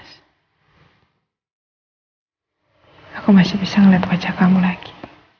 lalu saya akan menangisi kamu lagi